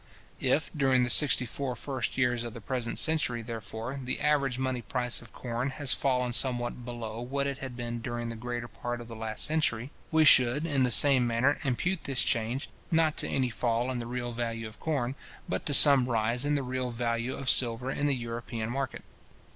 If, during the sixty four first years of the present century, therefore, the average money price of corn has fallen somewhat below what it had been during the greater part of the last century, we should, in the same manner, impute this change, not to any fall in the real value of corn, but to some rise in the real value of silver in the European market.